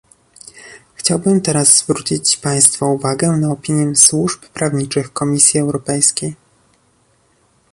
Chciałbym teraz zwrócić państwa uwagę na opinię służb prawniczych Komisji Europejskiej